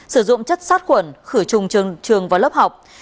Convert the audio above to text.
sử dụng chất sát khuẩn khử trùng trường và lớp học